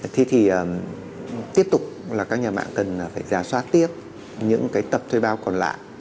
thì tiếp tục là các nhà mạng cần phải giả soát tiếp những tập thuê bao còn lại